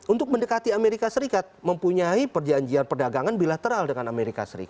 untuk mendekati amerika serikat mempunyai perjanjian perdagangan bilateral dengan amerika serikat